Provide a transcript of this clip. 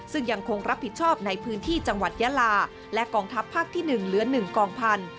ซึ่งยังคงรับผิดชอบในพื้นที่จังหวัดยาลาและกองทัพภาคที่๑เหลือ๑กองพันธุ